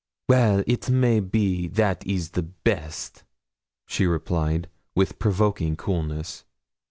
'Well, it may be that is the best,' she replied, with provoking coolness.